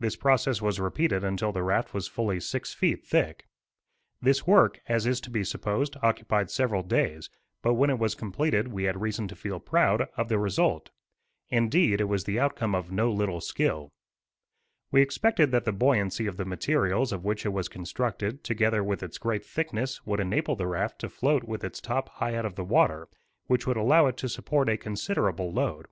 This process was repeated until the raft was fully six feet thick. This work, as is to be supposed, occupied several days; but when it was completed we had reason to feel proud of the result. Indeed, it was the outcome of no little skill. We expected that the buoyancy of the materials of which it was constructed, together with its great thickness, would enable the raft to float with its top high out of the water, which would allow it it to support a considerable load.